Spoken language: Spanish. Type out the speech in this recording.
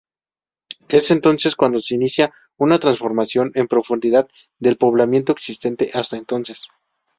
Es entonces cuando se inicia una transformación en profundidad del poblamiento existente hasta entonces.